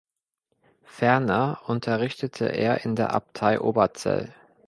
Ferner unterrichtete er in der Abtei Oberzell.